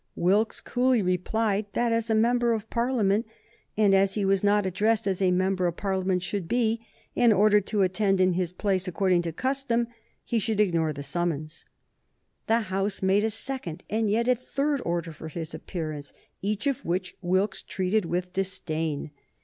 Wilkes coolly replied that as he was a member of Parliament, and as he was not addressed as a member of Parliament should be, and ordered to attend in his place according to custom, he should ignore the summons. The House made a second and yet a third order for his appearance, each of which Wilkes treated with disdain.